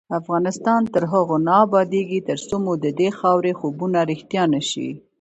افغانستان تر هغو نه ابادیږي، ترڅو مو ددې خاورې خوبونه رښتیا نشي.